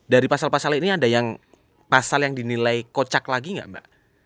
dari pasal pasal ini ada yang pasal yang dinilai kocak lagi nggak mbak